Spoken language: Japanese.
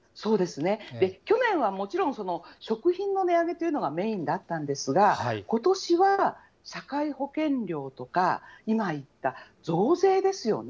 去年はもちろん食品の値上げというのがメインだったんですが、ことしは社会保険料とか、今言った増税ですよね。